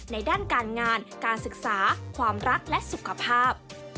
ในด้านการงานการศึกษาความรักและสุขภาพ